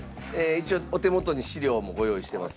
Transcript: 一応お手元に資料もご用意してますんで。